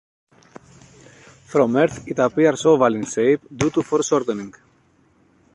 From Earth it appears oval in shape due to foreshortening.